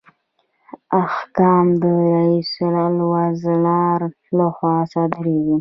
احکام د رئیس الوزرا لخوا صادریږي